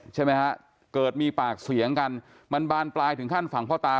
ใช่ไหมฮะเกิดมีปากเสียงกันมันบานปลายถึงขั้นฝั่งพ่อตา